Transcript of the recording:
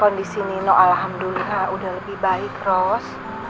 kondisi nino alhamdulillah udah lebih baik ros